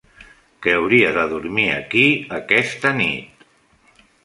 Que hauria de dormir aquí aquesta nit!